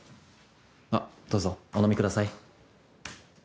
あっどうぞお飲みください。